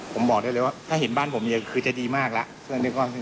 ผมบอกได้เลยว่าถ้าเห็นบ้านผมเนี่ยคือจะดีมากแล้ว